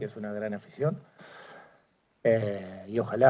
dengan pemenang yang mencari kebaikan yang adalah pemenang yang besar